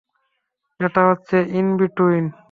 এটা হচ্ছে in between.